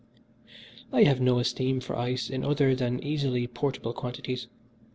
"I have no esteem for ice in other than easily portable quantities.